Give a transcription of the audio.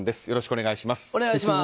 よろしくお願いします。